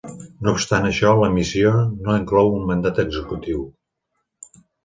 No obstant això, la Missió no inclou un mandat executiu.